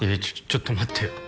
ちょっと待ってよ